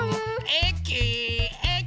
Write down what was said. えきえき。